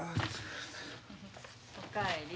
お帰り。